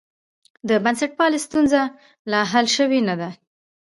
د بنسټپالنې ستونزه لا حل شوې نه ده.